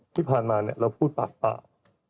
ที่ผ่านมาเราพูดปากปาก